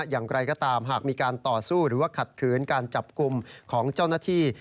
อย่างไรก็ตามหากมีการต่อสู้หรือว่าขัดขืนการจับกลุ่มของเจ้าหน้าที่